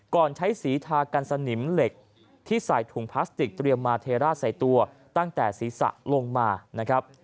ใช้สีทากันสนิมเหล็กที่ใส่ถุงพลาสติกเตรียมมาเทราดใส่ตัวตั้งแต่ศีรษะลงมานะครับ